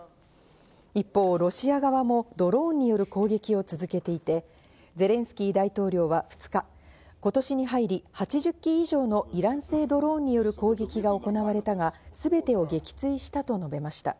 一方、ロシア側もドローンによる攻撃を続けていて、ゼレンスキー大統領は２日、ことしに入り、８０機以上のイラン製のドローンによる攻撃が行われたが、すべてを撃墜したと述べました。